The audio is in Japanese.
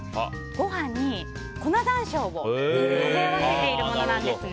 ご飯に粉山椒を混ぜ合わせているものなんですね。